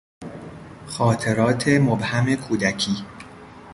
خاطرات مبهم کودکی